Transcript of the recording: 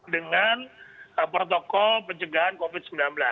dengan protokol pencegahan covid sembilan belas